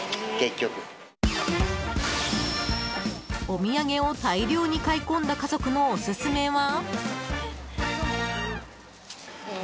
お土産を大量に買い込んだ家族のオススメは？